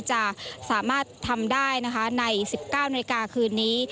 จะสามารถทำได้ใน๑๙นาทีคืนนี้